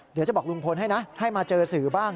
เดี๋ยวจะบอกลุงพลให้นะให้มาเจอสื่อบ้าง